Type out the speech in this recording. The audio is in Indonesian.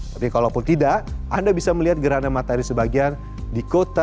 tapi kalaupun tidak anda bisa melihat gerhana matahari sebagian di kota